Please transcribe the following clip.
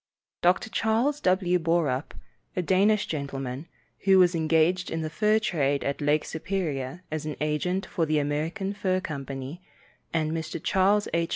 Dr. Charles W. Borup, a Danish gentleman, who was engaged in the fur trade at Lake Superior as an agent for the American Fur Company, and Mr. Charles H.